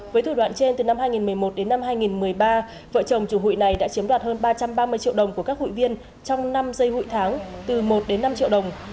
với thủ đoạn trên từ năm hai nghìn một mươi một đến năm hai nghìn một mươi ba vợ chồng chủ hội này đã chiếm đoạt hơn ba trăm ba mươi triệu đồng của các hụi viên trong năm dây hụi tháng từ một đến năm triệu đồng